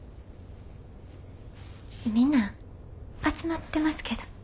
みんな集まってますけど。